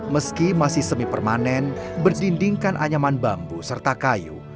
meski masih semi permanen berdindingkan anyaman bambu serta kayu